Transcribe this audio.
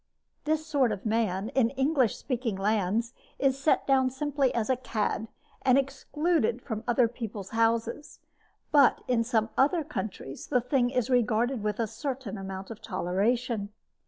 This sort of man, in English speaking lands, is set down simply as a cad, and is excluded from people's houses; but in some other countries the thing is regarded with a certain amount of toleration.